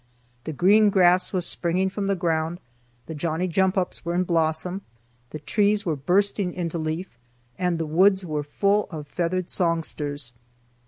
The green grass was springing from the ground, the "Johnny jump ups" were in blossom, the trees were bursting into leaf, and the woods were full of feathered songsters.